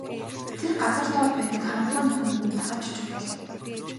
Тэр газар дор байдаг харанхуй нүхэнд нь дагаж очих болов.